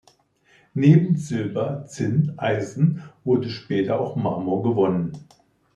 Neben Silber, Zinn, Eisen wurde später auch Marmor gewonnen.